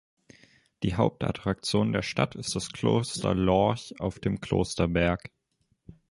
Die Hauptattraktion der Stadt ist das Kloster Lorch auf dem Klosterberg.